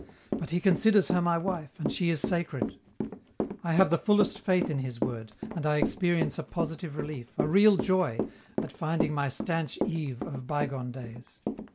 But he considers her my wife, and she is sacred. I have the fullest faith in his word, and I experience a positive relief, a real joy, at finding my stanch Yves of bygone days.